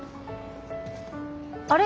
あれ？